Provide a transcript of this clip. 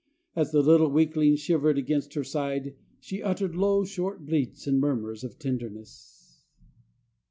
As the little weakling shivered against her side, she uttered low, short bleats and murmurs of tenderness.